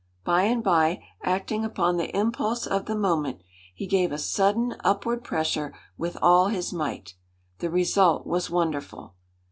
By and by, acting upon the impulse of the moment, he gave a sudden upward pressure with all his might. The result was wonderful.